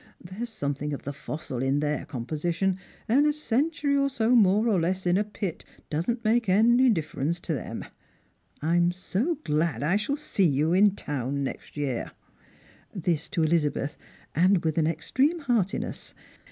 There's something ol the fossil in their composition, and a century or so more or less in a pit doesn't make any difference to them, I'm so glad I shall see you in town next year." This to Elizabeth, and with an extreme heartiness.